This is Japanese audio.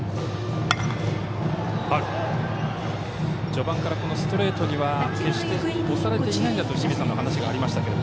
序盤からストレートには決して押されていないんだとお話がありましたけど。